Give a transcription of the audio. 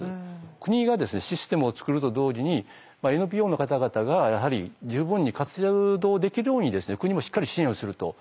国がシステムを作ると同時にＮＰＯの方々がやはり十分に活動できるように国もしっかり支援をすると。